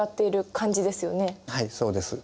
はいそうです。